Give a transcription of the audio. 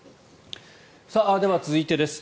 では、続いてです。